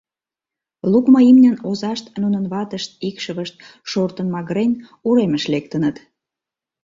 Лукмо имньын озашт, нунын ватышт, икшывышт, шортын-магырен, уремыш лектыныт.